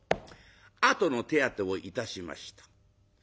あとの手当てをいたしました。